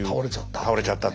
倒れちゃった。